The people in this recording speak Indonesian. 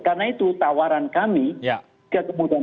karena itu tawaran kami ke kemudian